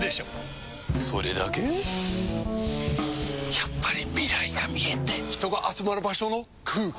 やっぱり未来が見えて人が集まる場所の空気！